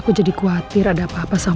saya bisa sih verifikasinya